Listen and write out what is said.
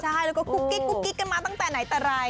ใช่แล้วก็กุ๊กกิ๊กกุ๊กกิ๊กกันมาตั้งแต่ไหนแต่ไร